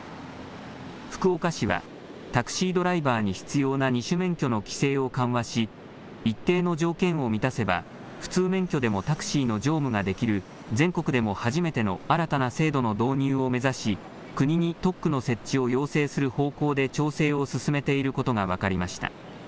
福岡市は、タクシードライバーに必要な２種免許の規制を緩和し、一定の条件を満たせば普通免許でもタクシーの乗務ができる、全国でも初めての新たな制度の導入を目指し、国に特区の設置を要請する方向で調整を進めていることが分かりました。